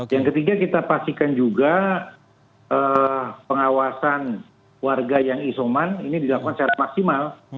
yang ketiga kita pastikan juga pengawasan warga yang isoman ini dilakukan secara maksimal